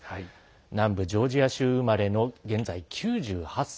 南部ジョージア州生まれの現在９８歳。